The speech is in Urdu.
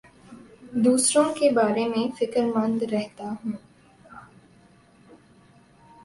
دوسروں کے بارے میں فکر مند رہتا ہوں